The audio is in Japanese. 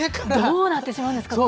どうなってしまうんですか、このあと。